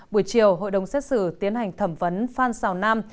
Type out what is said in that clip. buổi chiều hội đồng xét xử tiến hành thẩm vấn phan xào nam